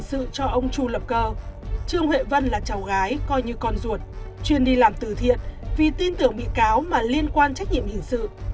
trường huệ vân là cháu gái coi như con ruột chuyên đi làm từ thiện vì tin tưởng bị cáo mà liên quan trách nhiệm hình sự